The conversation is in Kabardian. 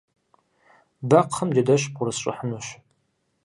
Бэкхъым джэдэщ бгъурысщӏыхьынущ.